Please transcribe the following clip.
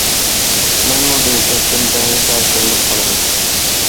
— مەنمۇ دىلشاتتىن بەزىدە تەسىرلىنىپ قالىمەن.